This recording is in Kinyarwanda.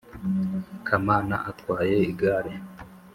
kamana atwaye igare